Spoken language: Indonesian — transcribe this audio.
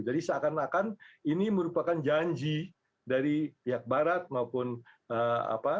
jadi seakan akan ini merupakan janji dari pihak barat maupun eropa mengenai hal itu